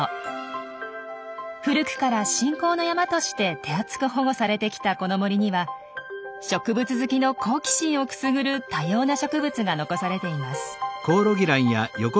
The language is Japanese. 古くから信仰の山として手厚く保護されてきたこの森には植物好きの好奇心をくすぐる多様な植物が残されています。